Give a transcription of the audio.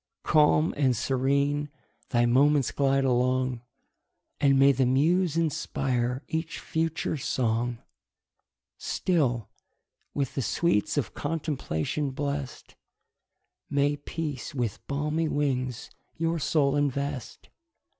Calm and serene thy moments glide along, And may the muse inspire each future song! Still, with the sweets of contemplation bless'd, May peace with balmy wings your soul invest!